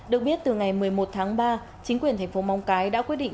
được biết từ ngày một mươi một tháng ba chính quyền thành phố móng cái đã quyết định